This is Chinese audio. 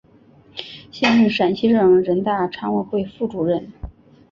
现任陕西省人大常委会副主任。